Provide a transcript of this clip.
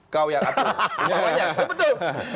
kau yang atur